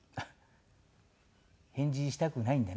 返事したくないんだね。